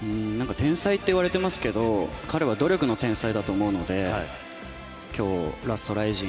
天才っていわれてますけど彼は努力の天才だと思うので今日、ラストＲＩＺＩＮ